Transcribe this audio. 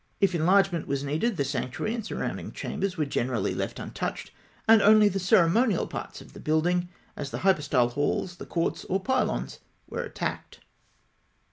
If enlargement was needed, the sanctuary and surrounding chambers were generally left untouched, and only the ceremonial parts of the building, as the hypostyle halls, the courts, or pylons, were attacked.